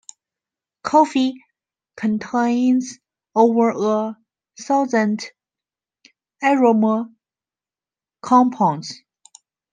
Coffee contains over a thousand aroma compounds.